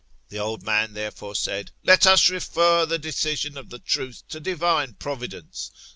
^ The old man therefore said, Let us refer the decision of the truth to divine providence.